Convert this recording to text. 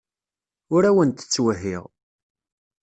Ur awent-ttwehhiɣ.